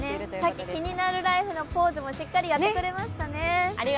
さっき、「キニナルＬＩＦＥ」のポーズもしっかりやってくれましたね。